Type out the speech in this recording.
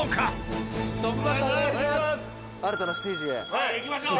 「はい行きましょう！」